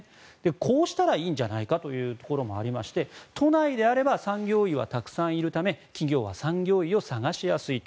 こうしたらいいんじゃないかというところもありまして都内であれば産業医はたくさんいるため企業は産業医を探しやすいと。